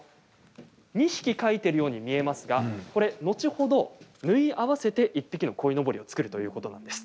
２匹描いてるように見えますが、これ、後ほど縫い合わせて１匹の鯉のぼりを作るということなんです。